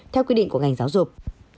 theo quy định của ngành giáo dục